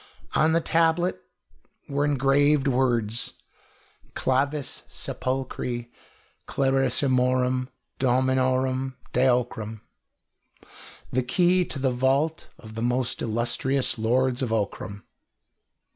On the tablet were engraved words: "Clavis sepulchri Clarissimorum Dominorum De Ockram" ("the key to the vault of the most illustrious lords of Ockram").